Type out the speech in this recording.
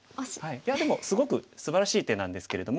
いやでもすごくすばらしい手なんですけれども。